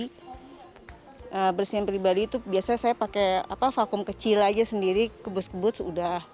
kalau bersihin pribadi itu biasanya saya pakai vakum kecil aja sendiri kebus kebut sudah